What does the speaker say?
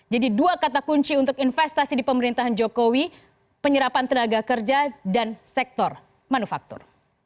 jadi dua kata kunci untuk investasi di pemerintahan jokowi penyerapan tenaga kerja dan sektor manufaktur